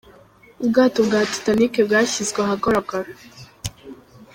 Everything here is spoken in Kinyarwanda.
Ubwato bwa Titanic bwashyizwe ahagaragara.